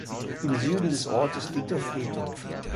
Im Süden des Ortes liegt der Friedhof.